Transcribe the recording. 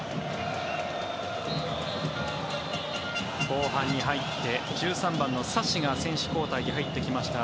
後半に入って１３番のサシが選手交代で入ってきました。